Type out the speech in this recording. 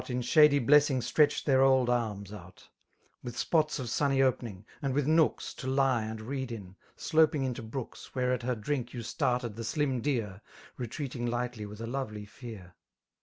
In shady blessing stretched their old arms out^ With spots of sunny opening, and with nooks. To lie and read in, sloping into brooks. Where at her drink you started the slim deer> Retreating lightly with a lovely fear.